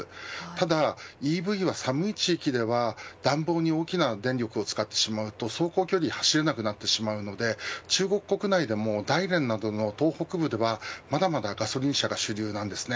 ただＥＶは寒い地域では暖房に大きな電力を使ってしまうと走行距離を走れなくなってしまうので中国国内でも大連などの東北部ではまだまだガソリン車が主流です。